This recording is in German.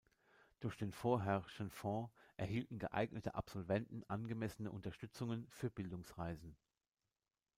Durch den Vorherr´schen Fonds, erhielten geeignete Absolventen „angemessene Unterstützungen“ für Bildungsreisen.